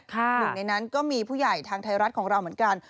หนึ่งในนั้นก็มีผู้ใหญ่ทางไทยรัฐของเราเหมือนกัน